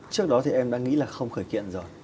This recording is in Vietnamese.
trước đó thì em đã nghĩ là không khởi kiện rồi